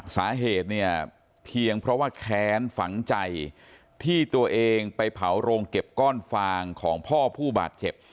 สาเหตุเนี่ยเพียงเพราะว่าแค้นฝังใจที่ตัวเองไปเผาโรงเก็บก้อนฟางของพ่อผู้บาดเจ็บ